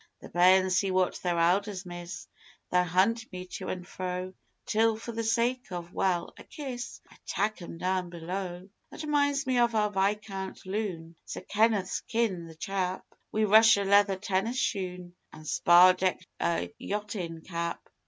The bairns see what their elders miss; they'll hunt me to an' fro, Till for the sake of well, a kiss I tak' 'em down below. That minds me of our Viscount loon Sir Kenneth's kin the chap Wi' russia leather tennis shoon an' spar decked yachtin' cap.